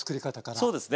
そうですね。